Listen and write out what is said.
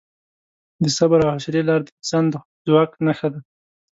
د صبر او حوصلې لار د انسان د ځواک نښه ده.